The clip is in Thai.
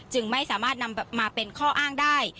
จึงไม่สามารถนำมาเป็นข้ออ้างได้